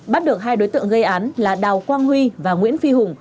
bắt được hai đối tượng gây án là đào quang huy và nguyễn phi hùng